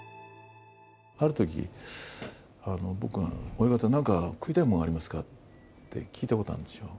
ある時、僕がお館、何か食いたいものありますかって聞いたことがあるんですよ。